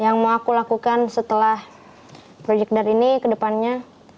yang mau aku lakukan setelah project dart ini ke depannya